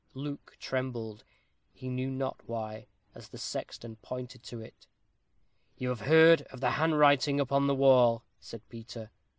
Luke trembled, he knew not why, as the sexton pointed to it. "You have heard of the handwriting upon the wall," said Peter.